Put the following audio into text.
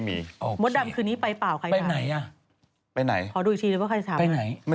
เมาแล้วขับ